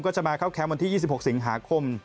จะมาเข้าแคมป์วันที่๒๖สิงหาคม